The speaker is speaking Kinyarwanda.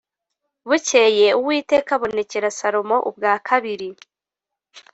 Bukeye Uwiteka abonekera Salomo ubwa kabiri